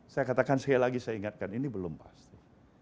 saya katakan sekali lagi saya ingatkan ini belum pasti